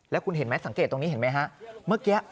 แล้วคุณเห็นไหมสังเกตตรงนี้เห็นไหมฮะเมื่อกี้